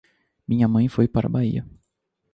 Minha mãe foi pra Bahia.